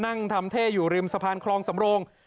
นั่งทำเท่อยู่ริมสะพานคลองสำโรง